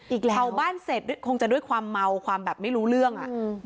อีกแล้วเผาบ้านเสร็จคงจะด้วยความเมาความแบบไม่รู้เรื่องอ่ะอืม